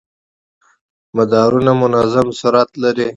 مدارونه منظم سرعت لري.